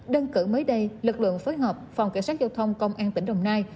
đơn cử mới đây lực lượng phối hợp phòng cảnh sát giao thông công an tỉnh đồng nai